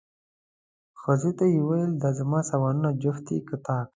ښځې ته یې وویل، دا زما سامانونه جفت دي که طاق؟